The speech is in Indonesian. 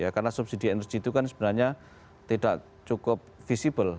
karena subsidi energi itu kan sebenarnya tidak cukup visible